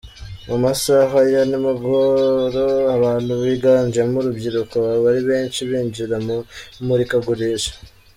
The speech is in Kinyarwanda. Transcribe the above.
Mu masaha ya ni mugoro abantu biganjemo urubyiruko baba ari benshi binjira mu imurikagurisha.